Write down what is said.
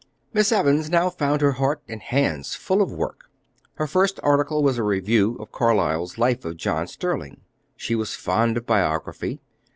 Miss Evans now found her heart and hands full of work. Her first article was a review of Carlyle's Life of John Sterling. She was fond of biography.